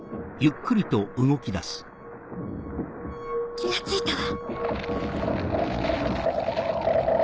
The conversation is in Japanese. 気がついたわ！